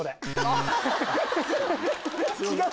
あっ！